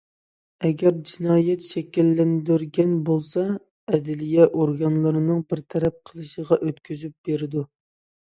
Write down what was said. ئەگەر جىنايەت شەكىللەندۈرگەن بولسا، ئەدلىيە ئورگانلىرىنىڭ بىر تەرەپ قىلىشىغا ئۆتكۈزۈپ بېرىلىدۇ.